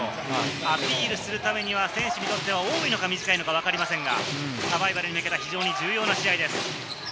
アピールするためには選手にとっては多いか短いのかわかりませんが、サバイバルに向けた重要な一戦です。